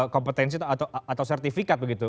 kompetensi atau sertifikat begitu